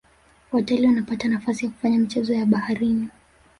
watalii wanapata nafasi ya kufanya michezo ya baharini